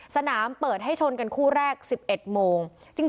สนามเปิดให้ชนกันคู่แรก๑๑โมง